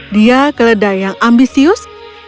dia keledai yang ambisius